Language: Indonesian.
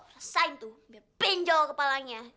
resain tuh biar pinjol kepalanya